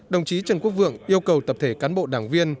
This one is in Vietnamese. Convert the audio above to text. đồng chí trần quốc vượng yêu cầu tập thể cán bộ đảng viên